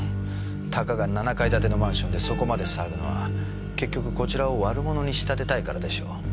たかが７階建てのマンションでそこまで騒ぐのは結局こちらを悪者に仕立てたいからでしょう。